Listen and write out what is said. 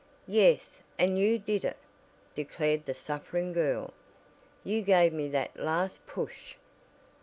"Yes, and you did it!" declared the suffering girl. "You gave me that last push.